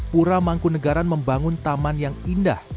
pura mangkunagaran membangun taman yang indah